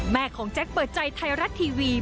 แม่ของแจ็คเปิดใจไทยรัฐทีวี